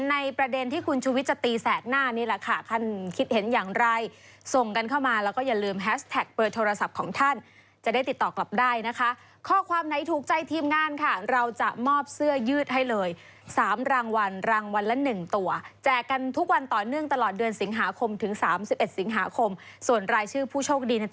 ในประเด็นที่คุณชุวิตจะตีแสกหน้านี่แหละค่ะท่านคิดเห็นอย่างไรส่งกันเข้ามาแล้วก็อย่าลืมแฮสแท็กเบอร์โทรศัพท์ของท่านจะได้ติดต่อกลับได้นะคะข้อความไหนถูกใจทีมงานค่ะเราจะมอบเสื้อยืดให้เลย๓รางวัลรางวัลละ๑ตัวแจกกันทุกวันต่อเนื่องตลอดเดือนสิงหาคมถึง๓๑สิงหาคมส่วนรายชื่อผู้โชคดีในต